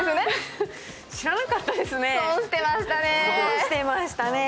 知らなかったですね。